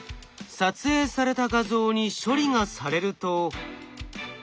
撮影された画像に処理がされると。